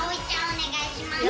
おねがいします。